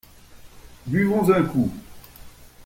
Buvons un coup.